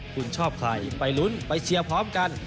คุณชอบใครไปลุ้นไปเชียร์พร้อมกัน